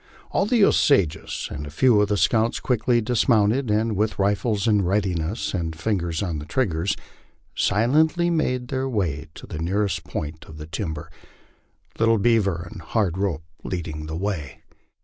All the Osages and a few of the scouts quickly dis mounted, and with rifles in readiness and fingers on the triggers silently made their way to the nearest point of the timber, Little Bearer and Hard Rope leading the way.